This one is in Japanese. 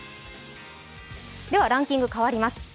ランキング変わります。